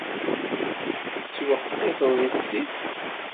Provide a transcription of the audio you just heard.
Tettweqqiteḍ yess-i.